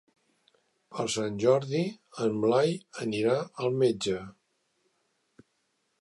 Per Sant Jordi en Blai anirà al metge.